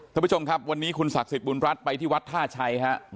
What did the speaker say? ท่านผู้ชมครับวันนี้คุณศักดิ์สิทธิบุญรัฐไปที่วัดท่าชัยครับ